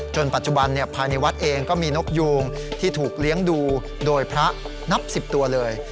ปัจจุบันภายในวัดเองก็มีนกยูงที่ถูกเลี้ยงดูโดยพระนับ๑๐ตัวเลย